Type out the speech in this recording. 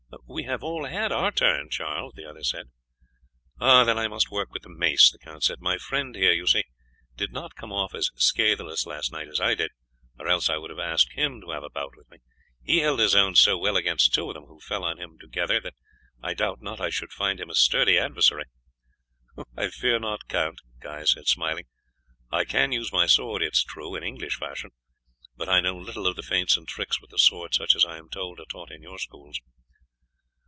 "We have all had our turn, Charles," the other said. "Then I must work with the mace," the count said. "My friend here, you see, did not come off as scatheless last night as I did, or else I would have asked him to have a bout with me. He held his own so well against two of them who fell on him together that I doubt not I should find him a sturdy adversary." "I fear not, Count," Guy said smiling. "I can use my sword, it is true, in English fashion, but I know little of feints and tricks with the sword such as I am told are taught in your schools."